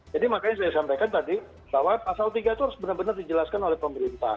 jadi makanya saya sampaikan tadi bahwa pasal tiga itu harus benar benar dijelaskan oleh pemerintah